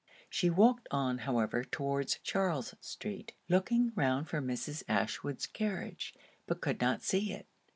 She walked on however towards Charles street, looking round for Mrs. Ashwood's carriage, but could not see it.